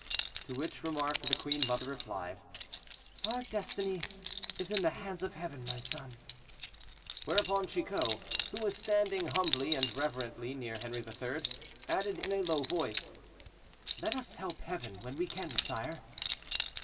To which remark the queen mother replied: "Our destiny is in the hands of Heaven, my son." Whereupon Chicot, who was standing humbly and reverently near Henri III., added in a low voice: "Let us help Heaven when we can, sire."